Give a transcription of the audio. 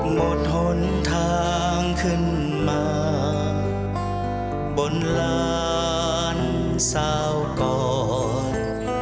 หมดหนทางขึ้นมาบนลานสาวก่อน